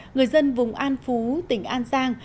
người dân vùng an phú tỉnh an giang